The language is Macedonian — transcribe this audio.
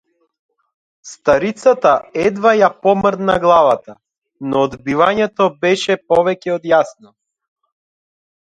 Старицата едвај ја помрдна главата, но одбивањето беше повеќе од јасно.